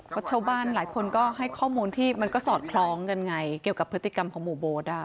เพราะชาวบ้านหลายคนก็ให้ข้อมูลที่มันก็สอดคล้องกันไงเกี่ยวกับพฤติกรรมของหมู่โบ๊ท